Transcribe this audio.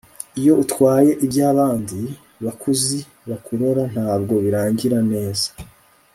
iyo utwaye iby'abandi bakuzi bakurora ntabwo birangira neza